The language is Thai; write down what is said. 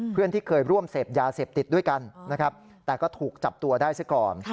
เพื่อนที่เคยร่วมเสพยาเสพติดด้วยกันนะครับแต่ก็ถูกจับตัวได้ซะก่อน